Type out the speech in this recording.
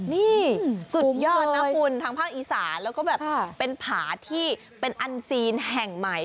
นี่สุดยอดนะคุณทางภาคอีสานแล้วก็แบบเป็นผาที่เป็นอันซีนแห่งใหม่